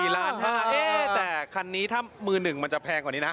แต่คันนี้ถ้ามือหนึ่งมันจะแพงกว่านี้นะ